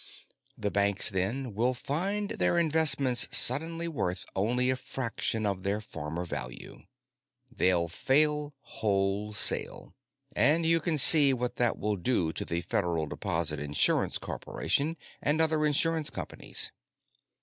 "The banks, then, will find their investments suddenly worth only a fraction of their former value. They'll fail wholesale. And you can see what that will do to the Federal Deposit Insurance Corporation and other insurance companies."